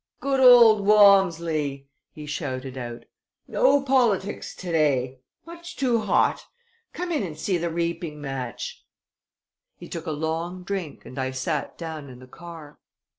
"Good old Walmsley!" he shouted out. "No politics to day! Much too hot! Come in and see the reaping match." He took a long drink and I sat down in the car.